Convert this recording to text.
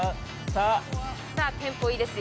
テンポいいですよ。